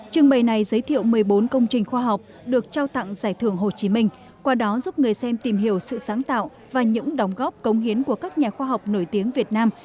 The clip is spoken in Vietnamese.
trưng bày này giới thiệu một mươi bốn công trình khoa học được trao tặng giải thưởng hồ chí minh qua đó giúp người xem tìm hiểu sự sáng tạo và những đóng góp công hiến của các nhà khoa học nổi tiếng việt nam